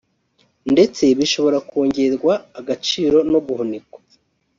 ndetse bishobora kongererwa agaciro no guhunikwa